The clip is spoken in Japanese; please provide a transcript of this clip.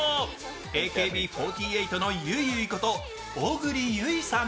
ＡＫＢ４８のゆいゆいこと小栗有以さん。